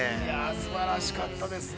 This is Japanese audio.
◆すばらしかったですね。